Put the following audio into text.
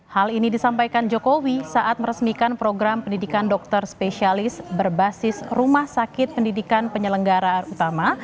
hal ini disampaikan jokowi saat meresmikan program pendidikan dokter spesialis berbasis rumah sakit pendidikan penyelenggaraan utama